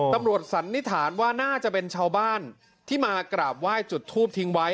สันนิษฐานว่าน่าจะเป็นชาวบ้านที่มากราบไหว้จุดทูบทิ้งไว้